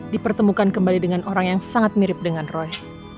dipertemukan kembali dengan orang yang sangat mirip dengan roy